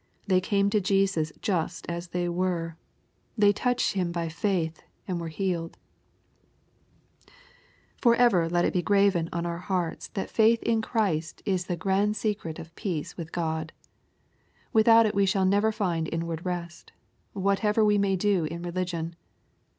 They came to Jesus just as they were. They touched Him by faith, and were healed Forever iCt it be graven on our hearts that faith in 232 EXPOSITOBT THOUGHTS. Christ is the grand secret of peace with God. Without it we sliall never find inward rest, whatever we may do in religion.